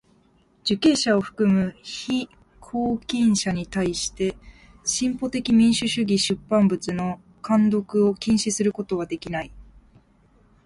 受刑者を含む被拘禁者にたいして進歩的民主主義的出版物の看読を禁止することはできない。